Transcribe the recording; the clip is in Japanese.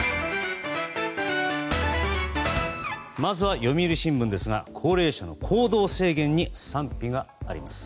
まずは読売新聞ですが高齢者の行動制限に賛否があります。